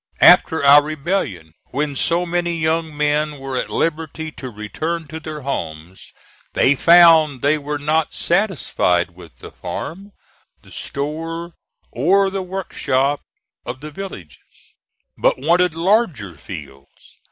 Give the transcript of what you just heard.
After our rebellion, when so many young men were at liberty to return to their homes, they found they were not satisfied with the farm, the store, or the work shop of the villages, but wanted larger fields.